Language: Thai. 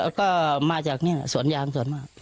เราก็มาจากสวนยางส่วนมาก